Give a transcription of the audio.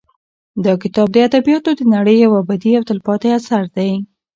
دا کتاب د ادبیاتو د نړۍ یو ابدي او تلپاتې اثر دی.